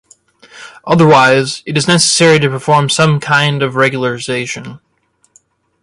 Otherwise, it is necessary to perform some kind of regularization.